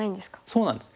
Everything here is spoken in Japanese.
そうなんです。